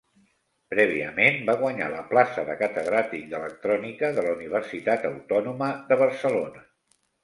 Prèviament va guanyar la plaça de Catedràtic d'Electrònica de la Universitat Autònoma de Barcelona.